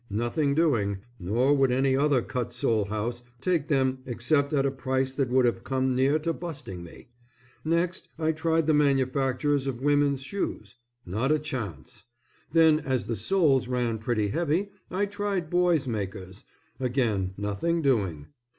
Nothing doing, nor would any other cut sole house take them except at a price that would have come near to busting me. Next I tried the manufacturers of women's shoes, not a chance. Then as the soles ran pretty heavy I tried boys' makers, again nothing doing.